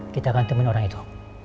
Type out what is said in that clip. kita akan teman orang itu